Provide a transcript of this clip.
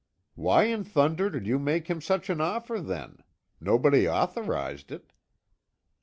"Why in thunder did you make him such an offer, then? Nobody authorized it."